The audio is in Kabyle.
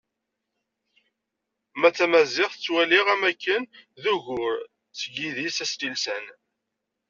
Ma d Tamaziɣt, ttwaliɣ am wakken d ugur seg yidis asnilsan.